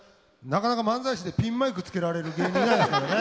なかなか漫才師でピンマイクつけられる芸人いないですからね。